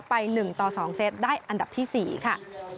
ไป๑ต่อ๒เซตได้อันดับที่๔ค่ะ